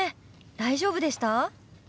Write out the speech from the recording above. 大丈夫でした？